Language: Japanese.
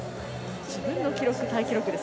自分の記録とタイ記録です。